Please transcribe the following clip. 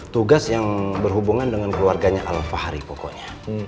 tugas yang berhubungan dengan keluarganya al fahri pokoknya